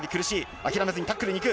諦めずにタックルにいく。